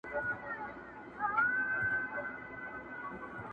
ځکه دا ستا مېرمن نه ده نه دي مور او پلار درګوري،